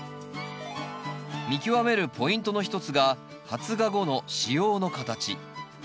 見極めるポイントの一つが発芽後の子葉の形。